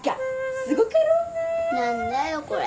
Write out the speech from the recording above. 何だよこれ。